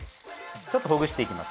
ちょっとほぐしていきます